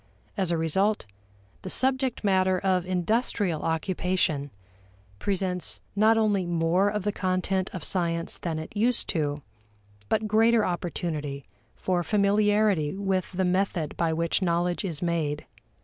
As a result, the subject matter of industrial occupation presents not only more of the content of science than it used to, but greater opportunity for familiarity with the method by which knowledge is made.